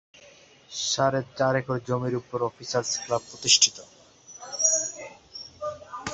সাড়ে চার একর জমির উপর অফিসার্স ক্লাব প্রতিষ্ঠিত।